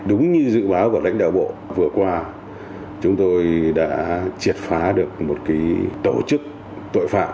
đúng như dự báo của lãnh đạo bộ vừa qua chúng tôi đã triệt phá được một tổ chức tội phạm